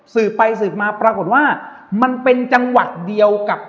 สืบไปสืบมาปรากฏว่า